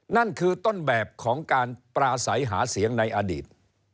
นั่นคือต้นแบบของการปราศัยหาเสียงในอดีต